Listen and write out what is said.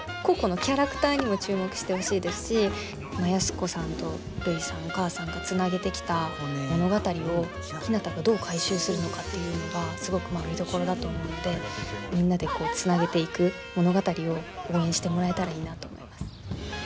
個々のキャラクターにも注目してほしいですし安子さんとるいさんお母さんがつなげてきた物語をひなたがどう回収するのかっていうのがすごく見どころだと思うのでみんなでつなげていく物語を応援してもらえたらいいなと思います。